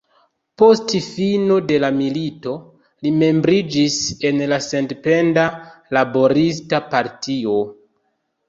Post fino de la milito, li membriĝis en la Sendependa Laborista Partio.